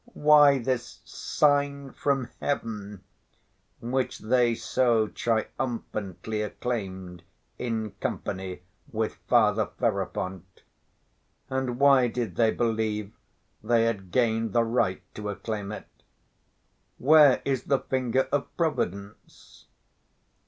Why this "sign from heaven," which they so triumphantly acclaimed in company with Father Ferapont, and why did they believe they had gained the right to acclaim it? Where is the finger of Providence?